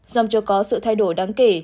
dòng cho có sự thay đổi đáng kể